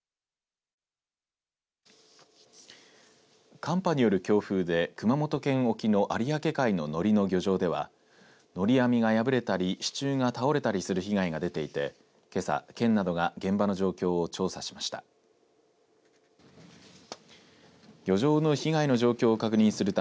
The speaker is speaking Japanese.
寒波による強風で熊本県沖の有明海ののりの漁場ではのり網が破れたり支柱が倒れたりする被害が出ていて、けさ県などが現場の状況を調査しました。